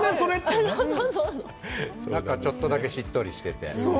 なんかちょっとだけしっとりしていて。